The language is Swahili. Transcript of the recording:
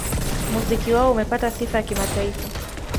Muziki wao umepata sifa ya kimataifa